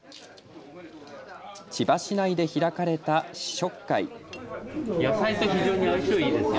千葉市内で開かれた試食会。